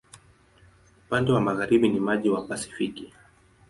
Upande wa magharibi ni maji wa Pasifiki.